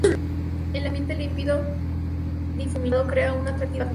El ambiente límpido y difuminado crea una atractiva atmósfera.